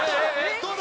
どうだ？